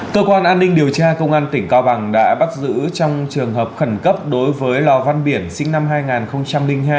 cơ quan an ninh điều tra công an tỉnh cao bằng đã bắt giữ trong trường hợp khẩn cấp đối với lò văn biển sinh năm hai nghìn hai